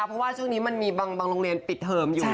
เพราะว่าช่วงนี้มันมีบางโรงเรียนปิดเทอมอยู่